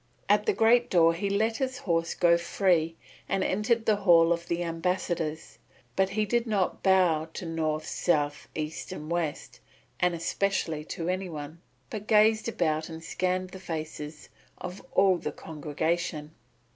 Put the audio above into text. At the great door he let his horse go free and entered the hall of the ambassadors, but he did not bow to North, South, East, and West and especially to any one, but gazed about and scanned the faces of all the congregation.